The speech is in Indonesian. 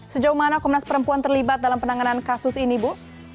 sejauh mana komnas perempuan terlibat dalam penanganan kasus ini bu